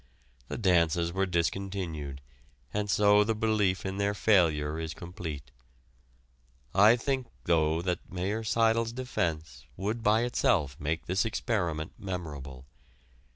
The dances were discontinued, and so the belief in their failure is complete. I think, though, that Mayor Seidel's defense would by itself make this experiment memorable.